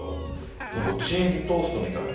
なんかチーズトーストみたいな。